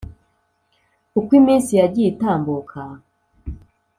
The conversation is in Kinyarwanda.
Uko iminsi yagiye itambuka,